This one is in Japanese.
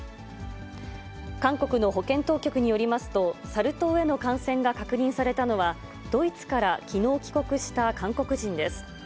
韓国の保健当局によりますと、サル痘への感染が確認されたのは、ドイツからきのう帰国した韓国人です。